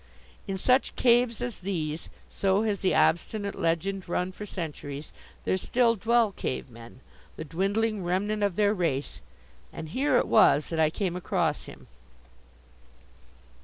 In such caves as these so has the obstinate legend run for centuries there still dwell cave men, the dwindling remnant of their race. And here it was that I came across him.